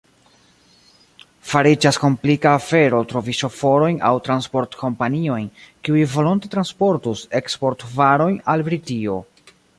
Fariĝas komplika afero trovi ŝoforojn aŭ transportkompaniojn, kiuj volonte transportus eksportvarojn al Britio.